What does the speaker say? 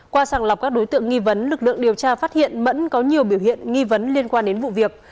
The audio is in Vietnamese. qua sàng lọc các đối tượng nghi vấn lực lượng điều tra phát hiện mẫn có nhiều biểu hiện nghi vấn liên quan đến vụ việc